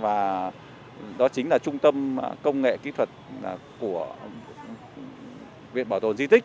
và đó chính là trung tâm công nghệ kỹ thuật của viện bảo tồn di tích